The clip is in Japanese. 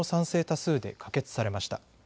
多数で可決されました。